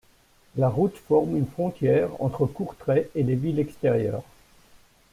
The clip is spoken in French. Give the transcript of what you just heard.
La route forme une frontière entre Courtrai et les villes extérieures.